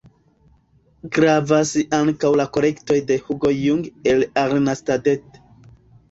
Gravas ankaŭ la kolektoj de Hugo Jung el Arnstadt.